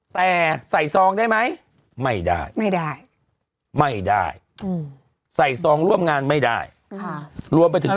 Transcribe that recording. แต่ใส่ซองได้ไหมไม่ได้ไม่ได้ใส่ซองร่วมงานไม่ได้รวมไปถึง